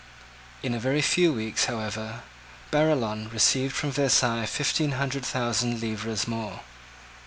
In a very few weeks, however, Barillon received from Versailles fifteen hundred thousand livres more.